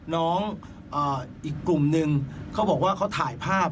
น้องอีกกลุ่มนึงเขาบอกว่าเขาถ่ายภาพ